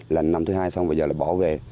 là năm thứ hai xong bây giờ là bỏ về